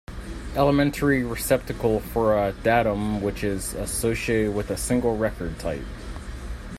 Elementary receptacle for a datum which is associated with a single Record Type.